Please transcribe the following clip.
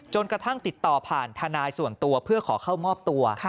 กระทั่งติดต่อผ่านทนายส่วนตัวเพื่อขอเข้ามอบตัว